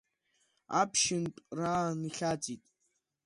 Аԥшьынтә раан ихьаҵит.